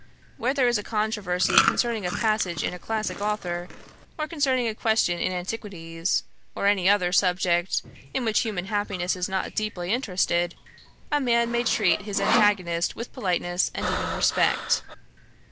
Where there is a controversy concerning a passage in a classick authour, or concerning a question in antiquities, or any other subject in which human happiness is not deeply interested, a man may treat his antagonist with politeness and even respect.